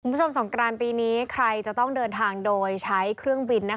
สงกรานปีนี้ใครจะต้องเดินทางโดยใช้เครื่องบิน